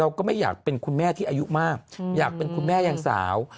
ก็ไม่อยากเป็นคุณแม่ที่อายุมากอยากเป็นคุณแม่ยังสาว